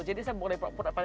jadi saya boleh pakai